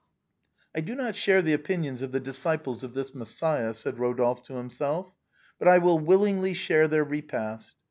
" I do not share the opinions of the disciples of this Messiah," said Rodolphe to himself ;" but I will willingly share their repast."